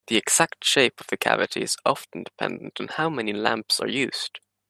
The exact shape of the cavity is often dependent on how many lamps are used.